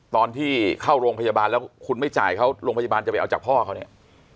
ตอนที่เข้าโรงพยาบาลแล้วคุณไม่จ่ายเขาโรงพยาบาลจะไปเอาจากพ่อเขาเนี่ย